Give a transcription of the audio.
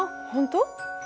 ほんと？